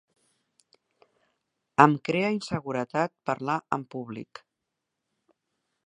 Em crea inseguretat parlar en públic.